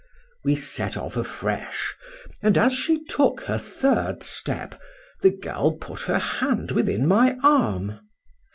We set off afresh, and as she took her third step, the girl put her hand within my arm.